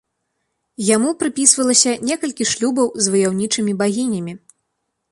Яму прыпісвалася некалькі шлюбаў з ваяўнічымі багінямі.